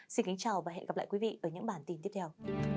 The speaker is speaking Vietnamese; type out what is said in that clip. xin kính chào và hẹn gặp lại quý vị ở những bản tin tiếp theo